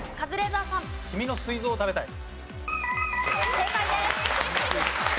正解です。